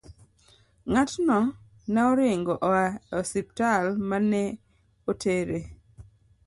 Ng'atno ne oringo oa e osiptal ma ne otere.